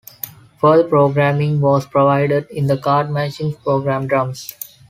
Further programming was provided in the card machines program drums.